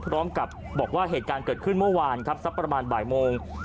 พร้อมกับบอกว่าเหตุการณ์เกิดขึ้นเมื่อวานครับสักประมาณบ่ายโมง